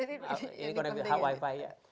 ini konektifitas wifi ya